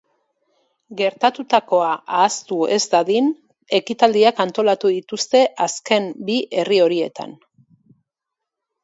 Gertatutakoa ahaztu ez dadin, ekitaldiak antolatu dituzte azken bi herri horietan.